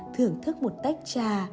thưởng thức một tách trà